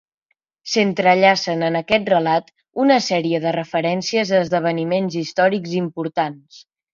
S'entrellacen en aquest relat una sèrie de referències a esdeveniments històrics importants.